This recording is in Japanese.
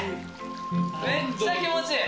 めっちゃ気持ちいい。